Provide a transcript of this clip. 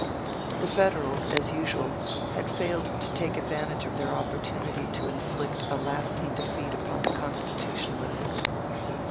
The Federals, as usual, had failed to take advantage of their opportunity to inflict a lasting defeat upon the Constitutionalists.